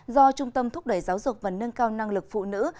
do trung tâm thúc đẩy giáo dục và nâng cao năng lực phụ nữ